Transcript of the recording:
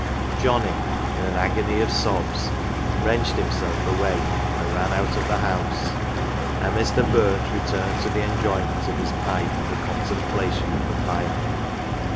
Johnnie, in an agony of sobs, wrenched himself away and ran out of the house, and Mr. Birch returned to the enjoyment of his pipe and the contemplation of the fire.